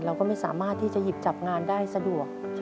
เราก็ไม่สามารถที่จะหยิบจับงานได้สะดวก